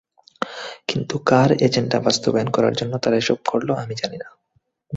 কিন্তু কার এজেন্ডা বাস্তবায়ন করার জন্য তারা এসব করল, আমি জানি না।